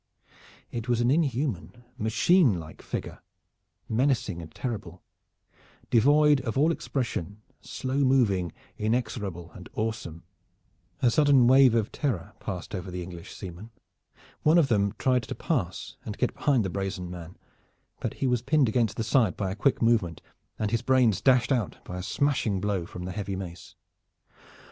It was an inhuman, machine like figure, menacing and terrible, devoid of all expression, slow moving, inexorable and awesome. A sudden wave of terror passed over the English seamen. One of them tried to pass and get behind the brazen man, but he was pinned against the side by a quick movement and his brains dashed out by a smashing blow from the heavy mace.